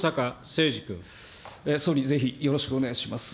総理、ぜひよろしくお願いします。